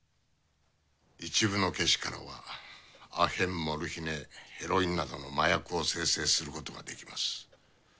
一部の芥子からは阿片モルヒネヘロインなどの麻薬を精製することができます。